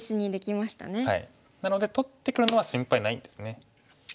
なので取ってくるのは心配ないですね。